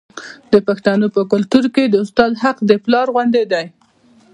د پښتنو په کلتور کې د استاد حق د پلار غوندې دی.